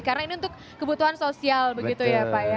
karena ini untuk kebutuhan sosial begitu ya pak ya